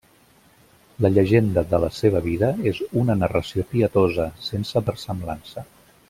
La llegenda de la seva vida és una narració pietosa, sense versemblança.